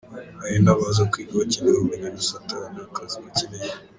Hari n'abaza kwiga bakeneye ubumenyi gusa ata n'akazi bakeneye.